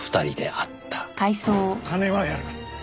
金はやる。